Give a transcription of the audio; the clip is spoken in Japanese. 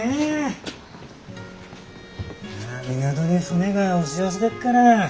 港に船が押し寄せでっから。